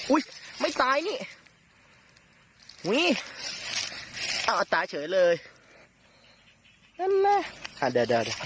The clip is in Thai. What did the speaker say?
อุ๊ยไม่ตายนี่อุ๊ยอ้าวตายเฉยเลยนั่นแหละอ่าเดี๋ยวเดี๋ยวเดี๋ยว